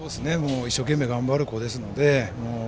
一生懸命頑張る子ですので。